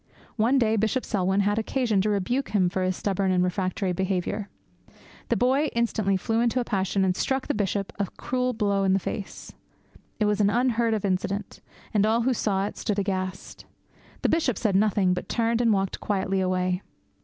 One day Bishop Selwyn had occasion to rebuke him for his stubborn and refractory behaviour. The boy instantly flew into a passion and struck the Bishop a cruel blow in the face. It was an unheard of incident, and all who saw it stood aghast. The Bishop said nothing, but turned and walked quietly away.